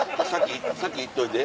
先行っといて。